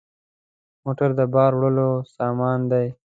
موټر د بار وړلو سامان دی.